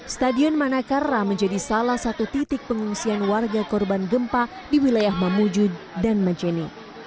stadion manakara menjadi salah satu titik pengungsian warga korban gempa di wilayah mamuju dan majene